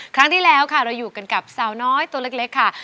ครั้งที่แล้วค่ะเราอยู่กันกับสาวน้อยตัวเล็กค่ะ